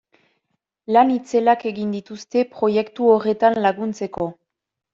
Lan itzelak egin dituzte proiektu horretan laguntzeko.